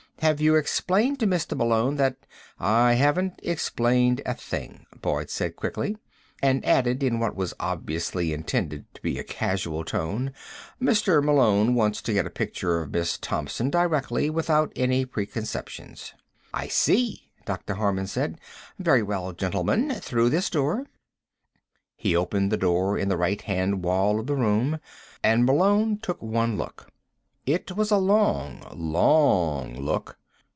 Have you explained to Mr. Malone that " "I haven't explained a thing," Boyd said quickly, and added in what was obviously intended to be a casual tone: "Mr. Malone wants to get a picture of Miss Thompson directly without any preconceptions." "I see," Dr. Harman said. "Very well, gentlemen. Through this door." He opened the door in the right hand wall of the room, and Malone took one look. It was a long, long look.